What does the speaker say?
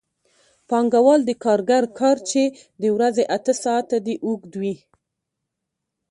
پانګوال د کارګر کار چې د ورځې اته ساعته دی اوږدوي